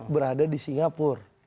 berada di singapura